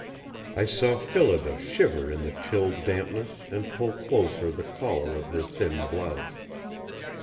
I saw Phillida shiver in the chill dampness and pull closer the collar of her thin blouse.